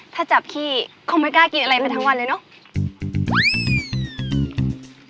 ถ้าจับขี้คงไม่กล้ากินอะไรมาทั้งวันเลยเนอะ